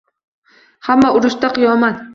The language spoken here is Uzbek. Hamma urushda, qiyomat!